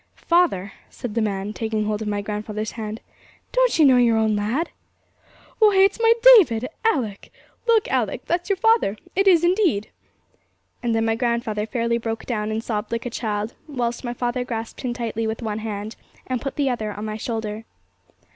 'Father!' said the man, taking hold of my grandfather's hand, 'don't you know your own lad?' 'Why, it's my David! Alick, look Alick, that's your father; it is indeed!' And then my grandfather fairly broke down, and sobbed like a child, whilst my father grasped him tightly with one hand, and put the other on my shoulder.